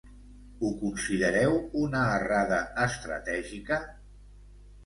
Ho considereu una errada estratègica?